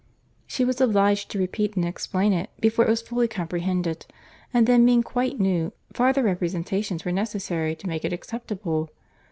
She was obliged to repeat and explain it, before it was fully comprehended; and then, being quite new, farther representations were necessary to make it acceptable.